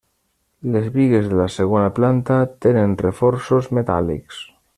Les bigues de la segona planta tenen reforços metàl·lics.